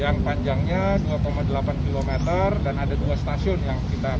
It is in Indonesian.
yang panjangnya dua delapan km dan ada dua stasiun yang kita lakukan